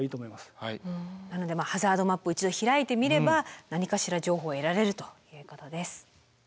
なのでハザードマップを一度開いてみれば何かしら情報を得られるということです。